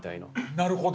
なるほど。